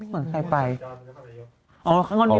มีงวดใครไป